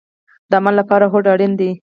د عمل لپاره هوډ اړین دی